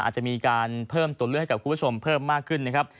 อาจจะมีการเพิ่มตัวเลือกให้กับคุณผู้ชมเพิ่มมากขึ้นนะครับ